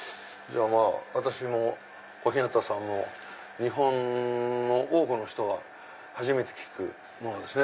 私も小日向さんも日本の多くの人が初めて聞くものですね。